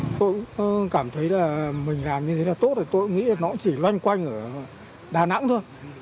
tôi cũng cảm thấy là mình làm như thế là tốt rồi tôi cũng nghĩ nó chỉ loanh quanh ở đà nẵng thôi